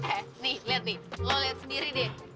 eh nih liat nih lo liat sendiri deh